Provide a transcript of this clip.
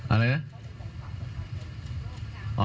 อะไรนะ